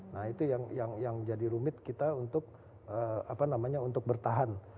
nah itu yang jadi rumit kita untuk apa namanya untuk bertahan